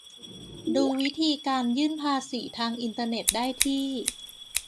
ดูวิธีการยื่นภาษีทางอินเทอร์เน็ตได้ที่